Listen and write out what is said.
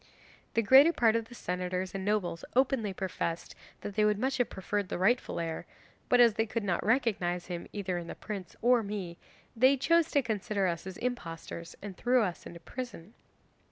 The greater part of the senators and nobles openly professed that they would much have preferred the rightful heir, but as they could not recognise him either in the prince or me, they chose to consider us as impostors and threw us into prison.